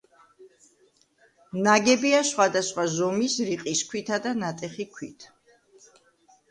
ნაგებია სხვადასხვა ზომის, რიყის ქვითა და ნატეხი ქვით.